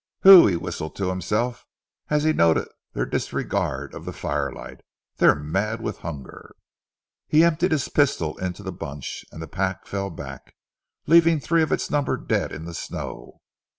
"Phew!" he whistled to himself, as he noted their disregard of the firelight, "they're mad with hunger!" He emptied his pistol into the bunch, and the pack fell back, leaving three of its number dead in the snow.